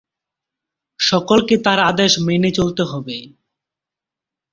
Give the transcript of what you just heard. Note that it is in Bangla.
সকলকে তাঁর আদেশ মেনে চলতে হবে।